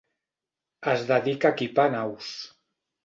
Es dedica a equipar naus.